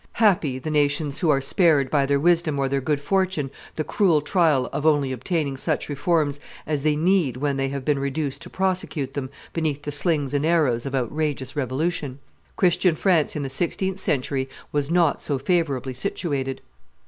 Happy the nations who are spared by their wisdom or their good fortune the cruel trial of only obtaining such reforms as they need when they have been reduced to prosecute them beneath the slings and arrows of outrageous revolution! Christian France in the sixteenth century was not so favorably situated.